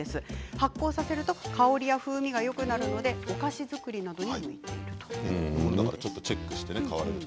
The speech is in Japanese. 発酵させると香りや風味がよくなるのでお菓子作りなどにいいということです。